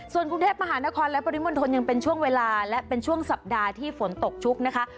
ส่วนกรุงเทพมหานครและปริมณฑลยังเป็นช่วงเวลาและเป็นช่วงสัปดาห์ที่ฝนตกชุกนะคะ